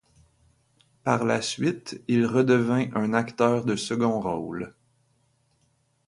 Par la suite, il redevient un acteur de seconds rôles.